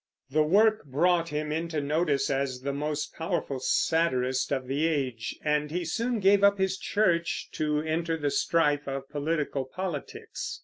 The work brought him into notice as the most powerful satirist of the age, and he soon gave up his church to enter the strife of party politics.